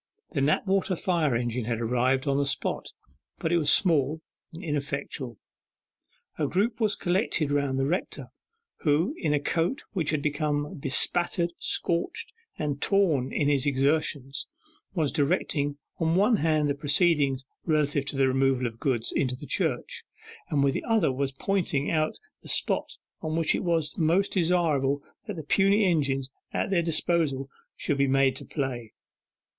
The Knapwater fire engine had arrived on the spot, but it was small, and ineffectual. A group was collected round the rector, who in a coat which had become bespattered, scorched, and torn in his exertions, was directing on one hand the proceedings relative to the removal of goods into the church, and with the other was pointing out the spot on which it was most desirable that the puny engines at their disposal should be made to play.